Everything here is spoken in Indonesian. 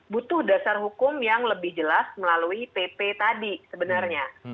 butuh dasar hukum yang lebih jelas melalui pp tadi sebenarnya